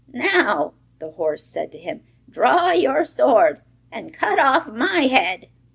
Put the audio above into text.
'Now,' the horse said to him, 'draw your sword and cut off my head.